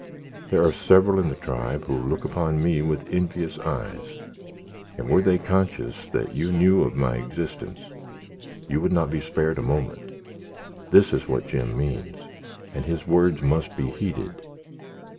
"There are several in the tribe who look upon me with envious eyes, and were they conscious that you knew of my existence, you would not be spared a moment. This is what Jim means, and his words must be heeded."